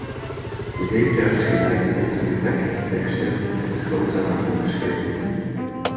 Dit heeft juist geleid tot de gebrekkige teksten en het grote aantal geschillen.